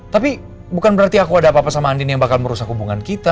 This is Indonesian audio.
tapi bukan berarti aku ada apa apa sama andin yang bakal merusak hubungan kita